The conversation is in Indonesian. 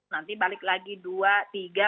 nanti balik lagi dua tiga